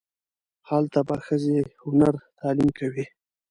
هلته به ښځې و نر تعلیم کوي.